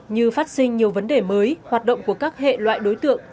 như phát sinh nhiều vấn đề mới hoạt động của các hệ loại đối tượng